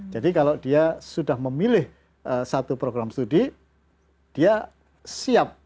jadi kalau dia sudah memilih satu program studi dia siap